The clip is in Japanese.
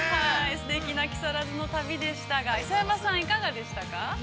◆すてきな木更津の旅でしたが磯山さん、いかがでしたか。